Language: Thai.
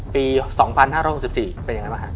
ปี๒๕๖๔เป็นยังไงบ้างฮะ